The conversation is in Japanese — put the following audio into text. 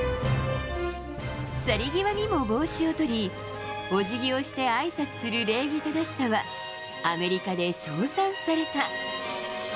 去り際にも帽子を取り、おじぎをしてあいさつする礼儀正しさは、アメリカで称賛された。